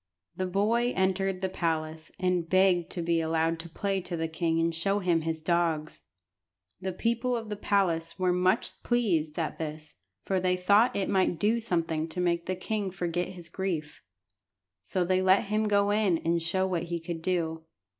The boy entered the palace, and begged to be allowed to play to the king and show him his dogs. The people of the palace were much pleased at this, for they thought it might do something to make the king forget his grief. So they let him go in and show what he could do.